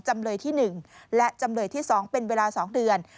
จำเลยที่๑และจำเลยที่๒เป็นเวลา๒เดือน